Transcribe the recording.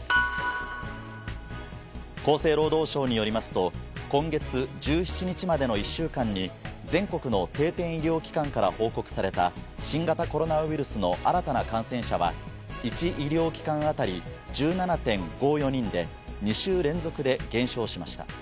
厚生労働省によりますと、今月１７日までの１週間に、全国の定点医療機関から報告された新型コロナウイルスの新たな感染者は、１医療機関当たり１７．５４人で、２週連続で減少しました。